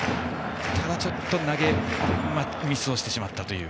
ただ、ちょっと投げミスをしたという。